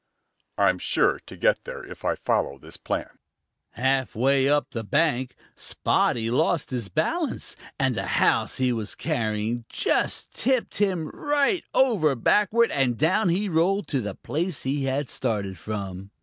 I'm sure to get there if I follow this plan." Half way up the bank Spotty lost his balance, and the house he was carrying just tipped him right over backward, and down he rolled to the place he had started from.